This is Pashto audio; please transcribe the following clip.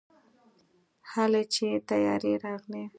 هلئ چې طيارې راغلې.